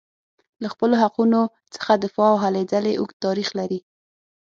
له خپلو حقونو څخه دفاع او هلې ځلې اوږد تاریخ لري.